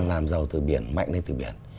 làm giàu từ biển mạnh lên từ biển